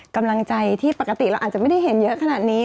กำลังใจที่ปกติเราอาจจะไม่ได้เห็นเยอะขนาดนี้